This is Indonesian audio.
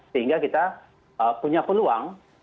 sehingga kita punya peluang